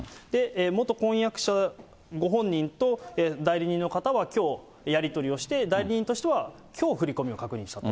元婚約者ご本人と代理人の方はきょう、やり取りをして、代理人としてはきょう振り込みを確認したと。